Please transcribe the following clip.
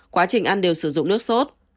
quá trình ăn đều sử dụng nước sốt